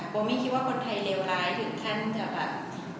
ไม่คิดว่าคนไทยเลวร้ายถึงขั้นจะแบบ